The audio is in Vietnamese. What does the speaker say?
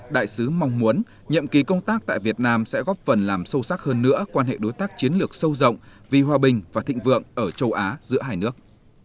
đại sứ mong muốn nhậm ký công tác tại việt nam sẽ góp phần làm sâu sắc hơn nữa quan hệ đối tác chiến lược sâu rộng vì hòa bình và thịnh vượng ở châu á giữa hai nước